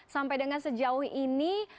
sampai dengan sejauh ini